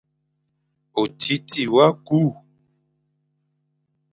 Otiti wa kü,